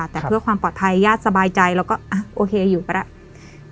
แต่เพื่อความปลอดภัยญาติสบายใจแล้วก็โอเคอยู่ไปแล้ว